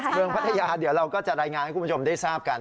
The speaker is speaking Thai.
พัทยาเดี๋ยวเราก็จะรายงานให้คุณผู้ชมได้ทราบกัน